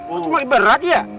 oh cuma berat ya